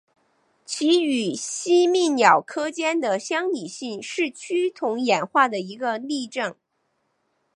其与吸蜜鸟科间的相拟性是趋同演化的一个例证。